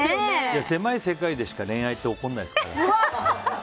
狭い世界でしか恋愛って起きないですから。